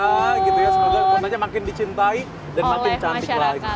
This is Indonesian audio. semoga kota nya makin dicintai dan makin cantik lagi